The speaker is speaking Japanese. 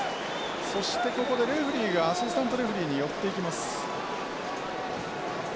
そしてここでレフェリーがアシスタントレフェリーに寄っていきます。